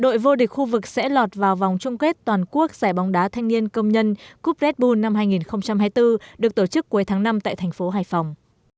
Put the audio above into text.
đội vô địch khu vực sẽ lọt vào vòng chung kết toàn quốc giải bóng đá thanh niên công nhân cúp red bull năm hai nghìn hai mươi bốn được tổ chức cuối tháng năm tại thành phố hải phòng